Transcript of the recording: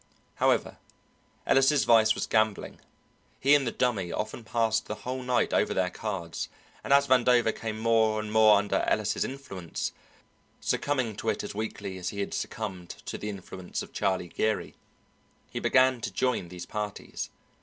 However, Ellis' vice was gambling; he and the Dummy often passed the whole night over their cards, and as Vandover came more and more under Ellis' influence succumbing to it as weakly as he had succumbed to the influence of Charlie Geary he began to join these parties.